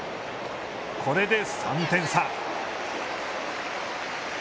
これで３点差。